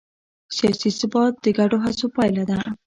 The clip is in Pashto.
سیاسي ثبات د ګډو هڅو پایله ده